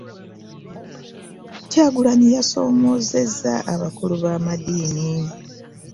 Kyagulanyi yasoomoozezza abakulu b'amadiini